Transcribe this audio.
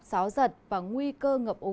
gió giật và nguy cơ